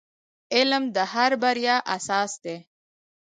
• علم د هر بریا اساس دی.